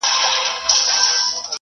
انګرېزان نه پوهېدل.